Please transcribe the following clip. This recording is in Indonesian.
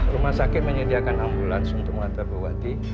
rumah sakit menyediakan ambulans untuk mata ibu wati